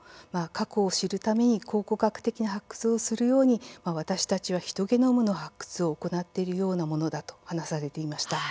過去を知るために考古学的な発掘をするように私たちは、ヒトゲノムの発掘を行っているようなものだと話されていました。